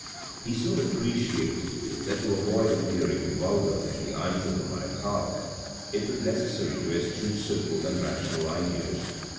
He soon appreciated that to avoid appearing vulgar in the eyes of the marechale it was necessary to eschew simple and rational ideas.